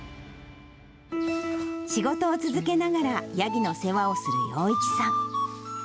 仕事を続けながら、ヤギの世話をする洋一さん。